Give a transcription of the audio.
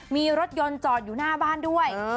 มีรถยนต์จอดอยู่หน้าบ้านด้วย